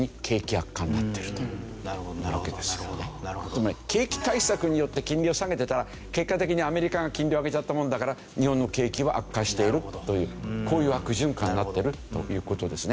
つまり景気対策によって金利を下げてたら結果的にアメリカが金利を上げちゃったもんだから日本の景気は悪化しているというこういう悪循環になってるという事ですね。